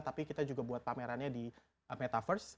tapi kita juga buat pamerannya di metaverse